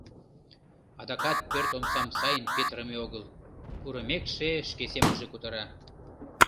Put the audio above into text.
— Адакат пӧрт омсам сайын петырыме огыл, — пурымекше, шке семынже кутыра.